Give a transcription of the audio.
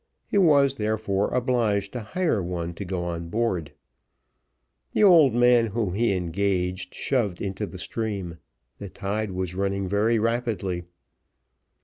He was therefore obliged to hire one to go on board. The old man whom he engaged shoved into the stream; the tide was running in rapidly.